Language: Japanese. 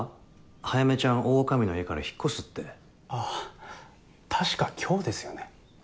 早梅ちゃん大女将の家から引っ越すってああ確か今日ですよね？